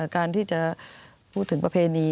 การที่จะพูดถึงประเพณี